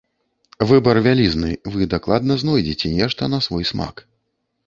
Выбар вялізны, вы дакладна знойдзеце нешта на свой смак.